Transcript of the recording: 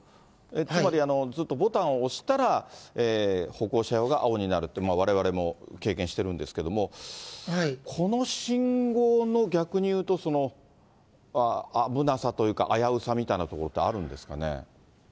つまりずっとボタンを押したら、歩行者用が青になるって、われわれも経験してるんですけれども、この信号の、逆にいうと、その危なさというか、危うさみたいなところってあるんですかね。